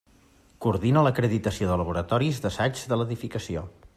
Coordina l'acreditació de laboratoris d'assaigs de l'edificació.